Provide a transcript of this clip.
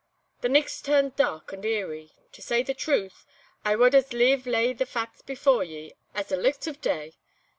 The nicht's turned dark and eerie. To say truth, I wad as lieve lay the facts before ye, in the licht o' day.